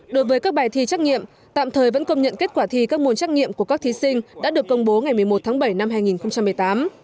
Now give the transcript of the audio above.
đối với các bài thi trắc nghiệm tạm thời vẫn công nhận kết quả thi các môn trắc nghiệm của các thí sinh đã được công bố ngày một mươi một tháng bảy năm hai nghìn một mươi tám